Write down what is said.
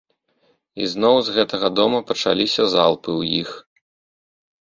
І зноў з гэтага дома пачаліся залпы ў іх.